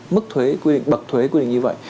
mức thuế quy định bậc thuế quy định như vậy